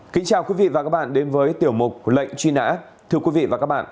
chào mừng quý vị đến với tiểu mục lệnh truy nã